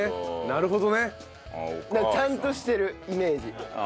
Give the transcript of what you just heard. なるほどね。ちゃんとしてるイメージ。